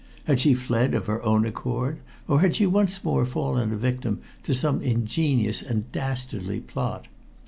Had she fled of her own accord, or had she once more fallen a victim to some ingenious and dastardly plot.